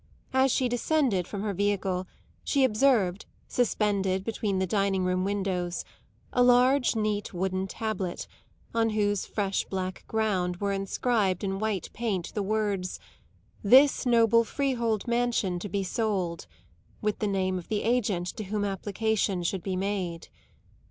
As she descended from her vehicle she observed, suspended between the dining room windows, a large, neat, wooden tablet, on whose fresh black ground were inscribed in white paint the words "This noble freehold mansion to be sold"; with the name of the agent to whom application should be made.